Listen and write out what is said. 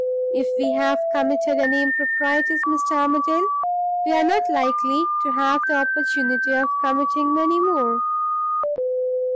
"If we have committed any improprieties, Mr. Armadale, we are not likely to have the opportunity of committing many more."